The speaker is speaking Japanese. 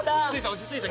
落ち着いた？